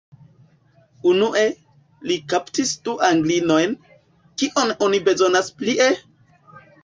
Unue, li kaptis du Anglinojn: kion oni bezonas plie?